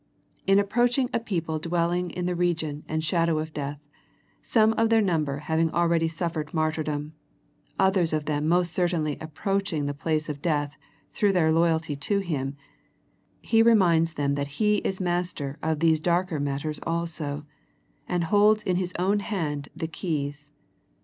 In approaching a people dwelling in the region and shadow of death, some of their number having already suffered martyr dom, others of them most certainly approach ing the place of death through their loyalty to Him, He reminds them that He is Master of these darker matters also, and holds in His own hand the keys.